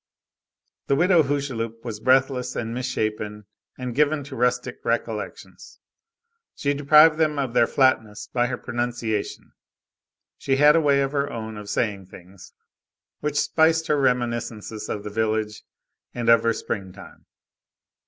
The Widow Hucheloup was breathless and misshapen and given to rustic recollections. She deprived them of their flatness by her pronunciation. She had a way of her own of saying things, which spiced her reminiscences of the village and of her springtime.